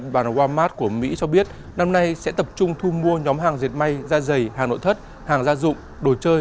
bản wamas của mỹ cho biết năm nay sẽ tập trung thu mua nhóm hàng diệt may da dày hàng nội thất hàng gia dụng đồ chơi